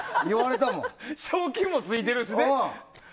賞金もついてるしね。